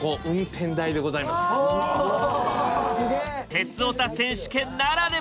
「鉄オタ選手権」ならでは！